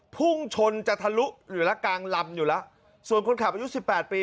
พุ่งชนจัดทะลุหรือละกางลำอยู่ละส่วนคนขับอายุ๑๘ปี